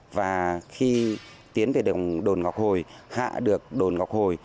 và khi tiến về đường ngọc hồi hạ được đồn ngọc hồi